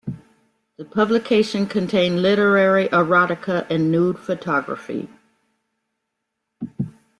The publication contained literary erotica and nude photography.